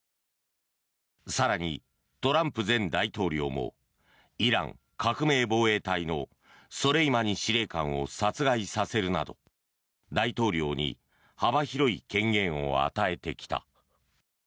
更に、トランプ前大統領もイラン革命防衛隊のソレイマニ司令官を殺害させるなど、大統領に幅広い権限を与えてきた。